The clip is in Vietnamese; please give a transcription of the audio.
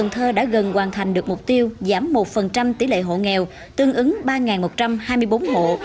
thơ đã gần hoàn thành được mục tiêu giảm một tỷ lệ hộ nghèo tương ứng ba một trăm hai mươi bốn hộ